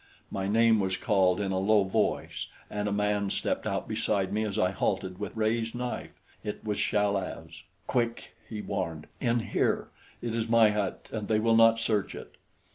My name was called in a low voice, and a man stepped out beside me as I halted with raised knife. It was Chal az. "Quick!" he warned. "In here! It is my hut, and they will not search it."